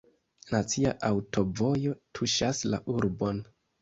Nacia aŭtovojo tuŝas la urbon.